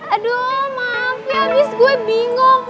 aduh maaf ya harus gue bingung